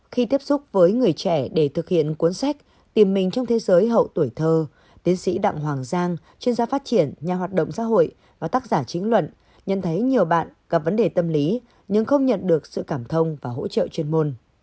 khi tiếp xúc với người trẻ để thực hiện cuốn sách tìm mình trong thế giới hậu tuổi thơ tiến sĩ đặng hoàng giang chuyên gia phát triển nhà hoạt động xã hội và tác giả chính luận nhận thấy nhiều bạn gặp vấn đề tâm lý nhưng không nhận được sự cảm thông và hỗ trợ chuyên môn